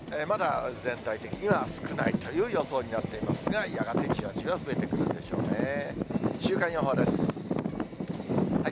まだ全体的には少ないという予想になっていますが、やがてじわじわ増えてくるんでしょうね。